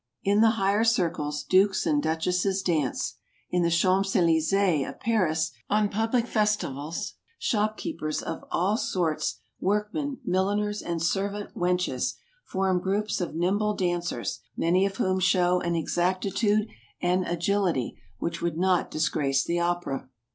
In the higher circles, Dukes and Dutchesses dance. In the Champs Elysees of Paris, on public festivals, shopkeepers of all sorts, workmen, miliners, and servant wenches, form groups of nimble dancers; many of whom show an exactitude and agility, which would not disgrace the opera.